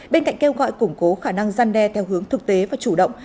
bên cạnh kêu gọi củng cố khả năng gian đe theo hướng thực tế và chủ động